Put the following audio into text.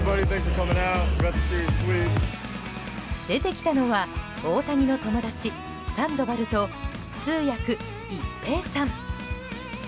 出てきたのは、大谷の友達サンドバルと、通訳・一平さん。